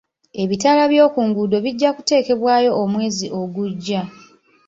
Ebitaala by'oku nguudo bijja kuteekebwayo omwezi ogujja.